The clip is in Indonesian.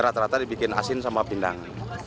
rata rata dibikin asin sama pindang